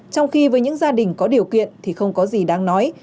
trong khi với những gia đình có điều kiện thì không có gì đáng nói